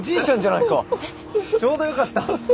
ちょうどよかった。